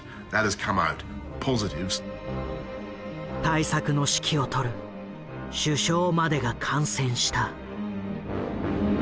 対策の指揮を執る首相までが感染した。